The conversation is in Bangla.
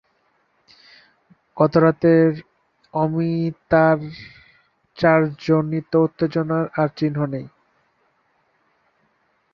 গতরাতের অমিতাচারজনিত উত্তেজনার আর চিহ্ন নেই।